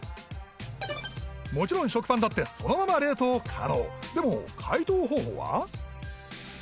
もちろん食パンだってそのまま冷凍可能でも解凍方法は？